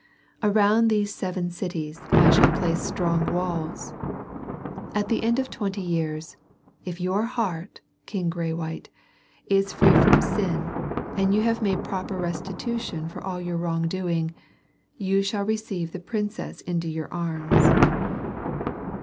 Around these seven cities I shall place strong walls. At the end of twenty years, if your heart, King Graywhite, is free from sin and you have made proper restitution for all your wrongdoing, you shall receive the princess into your arms."